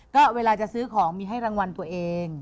ก็เวลาจะซื้อของมีให้รางวัลตัวเอง